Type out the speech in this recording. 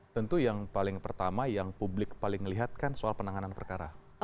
tentu yang paling pertama yang publik paling lihat kan soal penanganan perkara